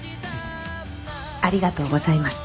ありがとうございます。